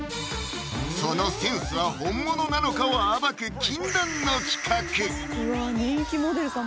そのセンスは本物なのかを暴く禁断の企画うわ人気モデルさん